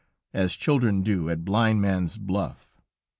as children do at blind man's buff.